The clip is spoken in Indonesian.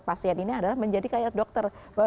pasien ini adalah menjadi kayak dokter bahwa